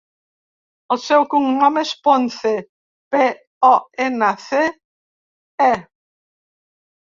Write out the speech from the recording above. El seu cognom és Ponce: pe, o, ena, ce, e.